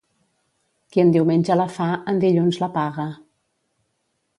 Qui en diumenge la fa, en dilluns la paga.